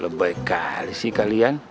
lebay kali sih kalian